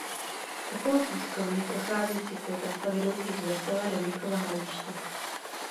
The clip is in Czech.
Okolo pískovny prochází cyklotrasa vedoucí z Veselé do Mnichova Hradiště.